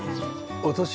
お年。